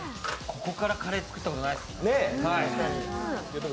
ここからカレー作ったことないです。